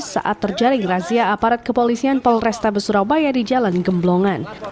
saat terjaring razia aparat kepolisian polrestabes surabaya di jalan gemblongan